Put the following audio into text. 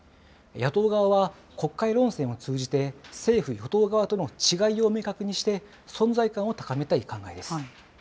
野党側は、国会論戦を通じて、政府・与党側との違いを明確にして、存在感を高めたい考えです。